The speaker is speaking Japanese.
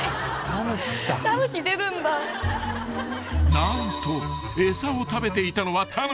［何と餌を食べていたのは］